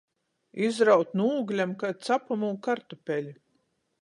Izraut nu ūglem kai capamū kartupeli.